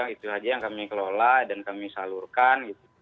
itu saja yang kami kelola dan kami salurkan